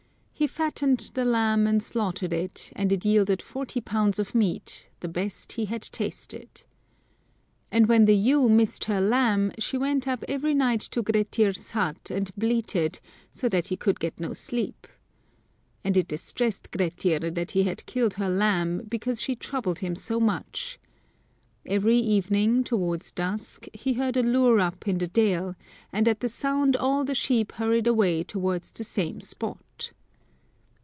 He fattened the Iamb and slaughtered it, and it yielded forty pounds of meat, the best he had tasted. And when the ewe missed her lamb, she went up every night to Grettir*s hut and bleated, so that he could get no sleep. And it distressed Grettir that he had killed her lamb, because she troubled him so much. Every evening, towards dusk, he heard a lure up in the dale^ and at the sound all the sheep hurried away towards the same spot.